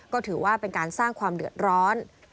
ก็ถือว่าเป็นการสร้างความเดือดร้อน